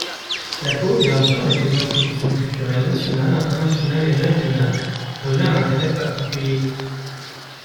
La coopération avec les institutions culturelles nationales, internationales et régionales revêt un intérêt particulier.